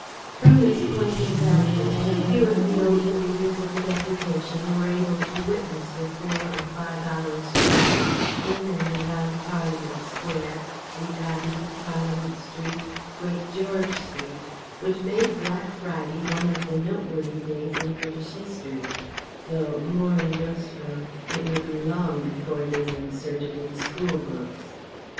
From this point of 'vantage a few of the older leaders of the deputation were able to witness the four or five hours' struggle in and around Parliament Square, the Abbey, Parliament Street, Great George Street which made Black Friday one of the note worthy days in British history though, more nostro, it will be long before it is inserted in school books.